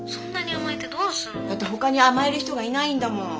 だってほかに甘える人がいないんだもん。